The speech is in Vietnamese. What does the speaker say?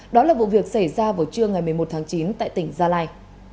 đó là vụ việc xảy ra vào trưa ngày một mươi một tháng chín tại tỉnh gia lai